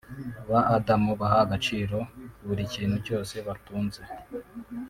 Ba Adam baha agaciro buri kintu cyose batunze